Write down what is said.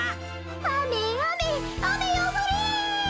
あめあめあめよふれ！